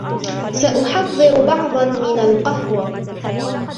سأحضّر بعضاً من القهوة